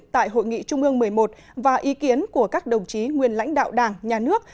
tại hội nghị trung ương một mươi một và ý kiến của các đồng chí nguyên lãnh đạo đảng nhà nước